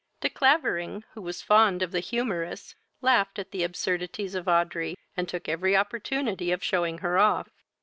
De Clavering, who was fond of the humorous, laughed at the absurdities of Audrey, and took every opportunity of shewing her off.